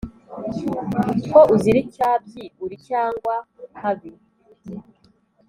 ko uzira icyabyi uri cyanga-habi,